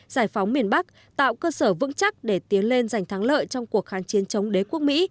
giải phóng miền bắc tạo cơ sở vững chắc để tiến lên giành thắng lợi trong cuộc kháng chiến chống đế quốc mỹ